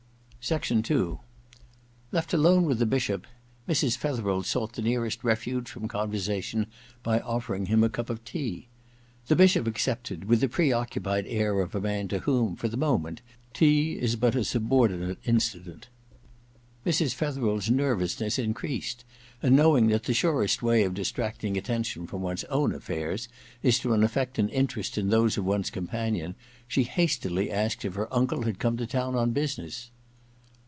II Left alone with the Bishop, Mrs, Fcthcrel sought the nearest refuge from conversation by offering him a cup of tea. The Bishop accepted with the preoccupied air of a man to whom, for the moment, tea is but a subordinate incident. Mrs. Fetherel's nervousness increased ; and knowing that the surest way of distracting attention from one's own affairs is to affect an interest in those of one's companion, she hastily asked if her uncle had come to town on business.